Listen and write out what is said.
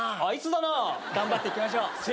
あいつだな。頑張っていきましょう。